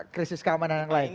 krisis keamanan yang lain